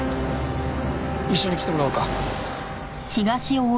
一緒に来てもらおうか。